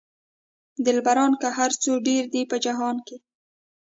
دلبران که هر څو ډېر دي په جهان کې.